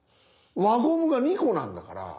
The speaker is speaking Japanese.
輪ゴムが２個なんだから。